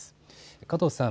加藤さん、